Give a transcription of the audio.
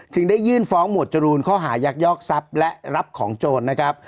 ได้ยื่นฟ้องหมวดจรูนข้อหายักยอกทรัพย์และรับของโจรนะครับ